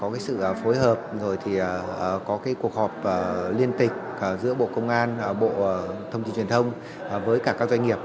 sự phối hợp rồi thì có cuộc họp liên tịch giữa bộ công an bộ thông tin truyền thông với cả các doanh nghiệp